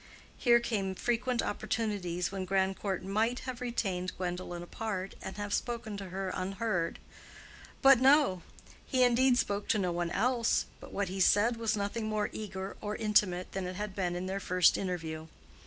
Here came frequent opportunities when Grandcourt might have retained Gwendolen apart, and have spoken to her unheard. But no! He indeed spoke to no one else, but what he said was nothing more eager or intimate than it had been in their first interview.